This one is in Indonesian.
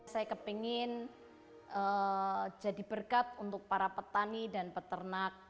saya kepingin jadi berkat untuk para petani dan peternak